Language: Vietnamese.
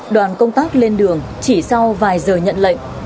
đoàn công tác lên đường chỉ sau vài giờ nhận lệnh